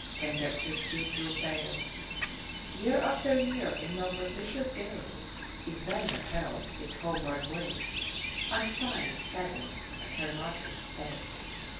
Conjecture's cheek grew pale. Year after year, in no propitious gale His banner held its homeward way, And Science saddened at her martyr's stay."